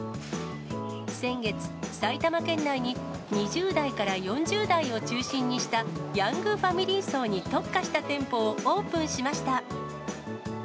先月、埼玉県内に、２０代から４０代を中心にしたヤングファミリー層に特化した店舗をオープンしました。